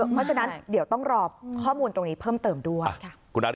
เพราะฉะนั้นเดี๋ยวต้องรอข้อมูลตรงนี้เพิ่มเติมด้วย